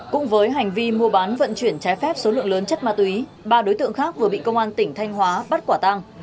cũng với hành vi mua bán vận chuyển trái phép số lượng lớn chất ma túy ba đối tượng khác vừa bị công an tỉnh thanh hóa bắt quả tăng